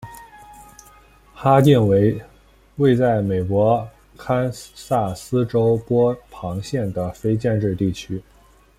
哈定为位在美国堪萨斯州波旁县的非建制地区。